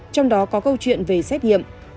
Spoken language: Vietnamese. trong đó có câu chuyện về xét nghiệm